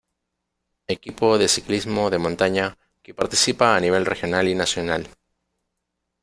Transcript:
Equipo de Ciclismo de montaña que participa a nivel regional y nacional.